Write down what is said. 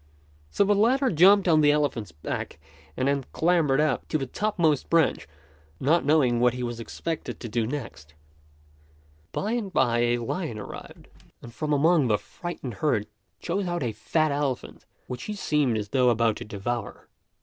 So the latter jumped on the elephant's back and then clambered up to the topmost branch, not knowing what he was expected to do next. By and by a lion arrived, and from among the frightened herd chose out a fat elephant, which he seemed as though about to devour.